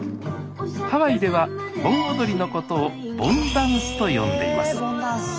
ハワイでは盆踊りのことを「ＢＯＮＤＡＮＣＥ」と呼んでいます。